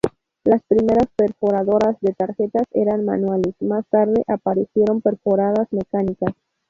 Las primeras perforadoras de tarjetas eran manuales, más tarde aparecieron perforadoras mecánicas.